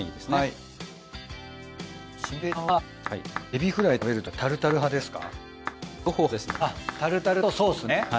心平ちゃんはエビフライ食べるときはタルタル派ですか？